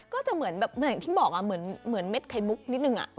ก็จะเหมือนเหมือนที่บอกเหมือนเม็ดไขมุกนิดนึง